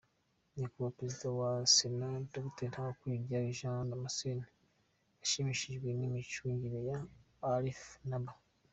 Nyakubahwa Perezida wa Sena, Dr Ntawukuriryayo Jean Damascene yashimishijwe n'imicurangire ya Alif Naaba.